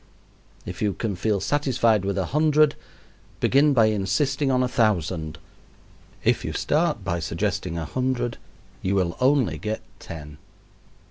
If you can feel satisfied with a hundred, begin by insisting on a thousand; if you start by suggesting a hundred you will only get ten.